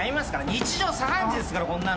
日常茶飯事ですからこんなの。